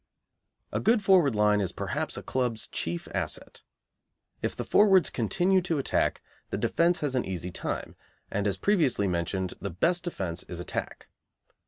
A good forward line is perhaps a club's chief asset. If the forwards continue to attack, the defence has an easy time, and, as previously mentioned, the best defence is attack.